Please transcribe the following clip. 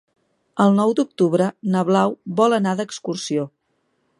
El nou d'octubre na Blau vol anar d'excursió.